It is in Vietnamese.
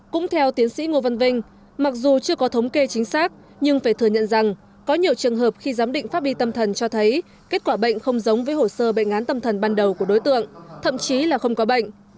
cũng theo tiến sĩ ngô văn vinh mặc dù chưa có thống kê chính xác nhưng phải thừa nhận rằng có nhiều trường hợp khi giám định pháp bi tâm thần cho thấy kết quả bệnh không giống với hồ sơ bệnh án tâm thần ban đầu của đối tượng thậm chí là không có bệnh